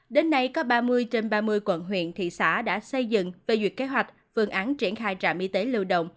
đến nay có ba mươi trên ba mươi quận huyện thị xã đã xây dựng phê duyệt kế hoạch phương án triển khai trạm y tế lưu động